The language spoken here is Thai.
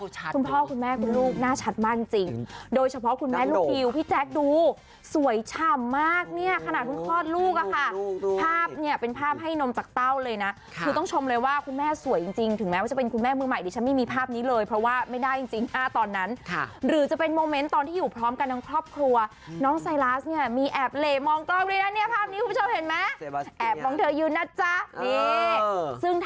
สักเต้าเลยนะค่ะคือต้องชมเลยว่าคุณแม่สวยจริงจริงถึงแม่ว่าจะเป็นคุณแม่มือใหม่ดิฉันไม่มีภาพนี้เลยเพราะว่าไม่ได้จริงจริงห้าตอนนั้นค่ะหรือจะเป็นโมเม้นตอนที่อยู่พร้อมกันทั้งครอบครัวน้องใส่หลาสเนี่ยมีแอบเหลมองกล้องเลยนะเนี่ยภาพนี้คุณผู้ชมเห็นไหมแอบมองเธอยืนนะจ๊ะนี่ซึ่งถ้